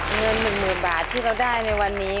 เงิน๑๐๐๐บาทที่เราได้ในวันนี้